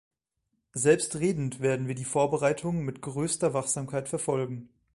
Selbstredend werden wir die Vorbereitungen mit größter Wachsamkeit verfolgen.